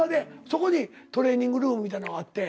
そこにトレーニングルームみたいなのがあって。